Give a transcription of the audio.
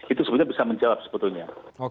itu sebenarnya bisa menjawab sebetulnya